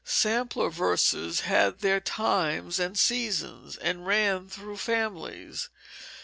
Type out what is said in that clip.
Sampler verses had their times and seasons, and ran through families.